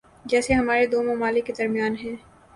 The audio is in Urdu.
جیسے ہمارے دو ممالک کے درمیان ہیں۔